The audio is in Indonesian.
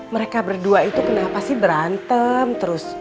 mereka berdua itu kenapa sih berantem terus